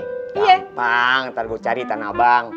gampang ntar gua cari tanah bang